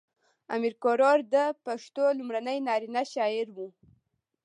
امیر کروړ د پښتو لومړی نرینه شاعر و .